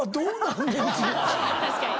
確かに。